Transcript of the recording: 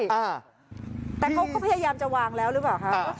แต่เขาก็พยายามจะวางแล้วหรือเปล่าคะ